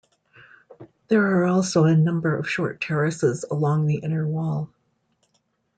There are also a number of short terraces along the inner wall.